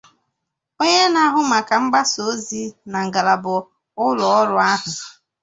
Onye na-ahụ maka mgbasa ozi na ngalaba ụlọọrụ ahụ